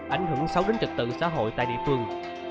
ánh hưởng xấu đến trực tự xã hội tại địa phương